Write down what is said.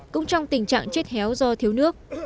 cũng trong tình trạng chết héo do thiếu nước